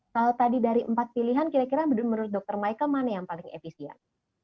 kalau tadi dari empat pilihan kira kira menurut dokter michael mana yang paling efisien